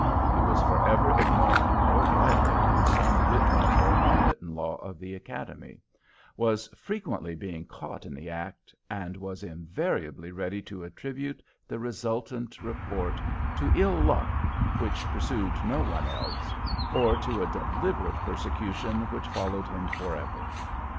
He was forever ignoring or violating some written or unwritten law of the Academy; was frequently being caught in the act, and was invariably ready to attribute the resultant report to ill luck which pursued no one else, or to a deliberate persecution which followed him forever.